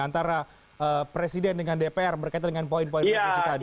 antara presiden dengan dpr berkaitan dengan poin poin revisi tadi